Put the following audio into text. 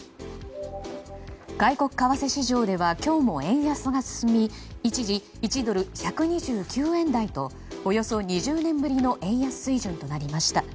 外国為替市場では今日も円安が進み一時、１ドル＝１２９円台とおよそ２０年ぶりの円安水準となりました。